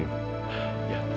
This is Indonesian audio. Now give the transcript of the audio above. iya terima kasih dokter